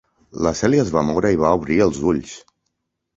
La Celia es va moure i va obrir els ulls.